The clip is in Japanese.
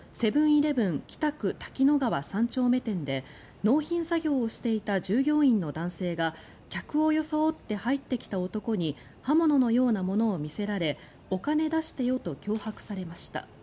−イレブン北区滝野川３丁目店で納品作業をしていた従業員の男性が客を装って入ってきた男に刃物のようなものを見せられお金出してよと脅迫されました。